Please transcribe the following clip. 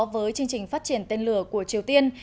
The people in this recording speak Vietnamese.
với chương trình phát triển tên lửa của triều tiên